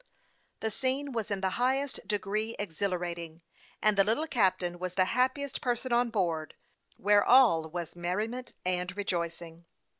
The scone was in the highest degree exhilarating ; and the little captain was the happiest person on board, where all was merriment and rejoicing.